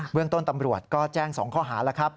เรื่องต้นตำรวจก็แจ้ง๒ข้อหาแล้วครับ